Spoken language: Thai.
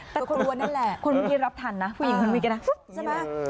แต่ครัวนั้นแหละคุณบินรับถันนะผู้หญิงคุณบินกันนะ